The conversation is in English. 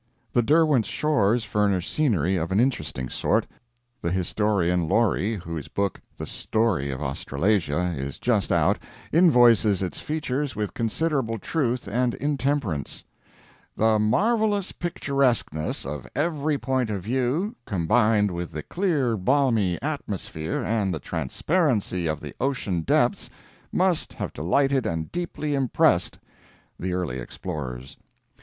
The Derwent's shores furnish scenery of an interesting sort. The historian Laurie, whose book, "The Story of Australasia," is just out, invoices its features with considerable truth and intemperance: "The marvelous picturesqueness of every point of view, combined with the clear balmy atmosphere and the transparency of the ocean depths, must have delighted and deeply impressed" the early explorers.